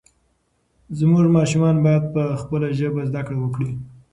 زموږ ماشومان باید په خپله ژبه زده کړه وکړي.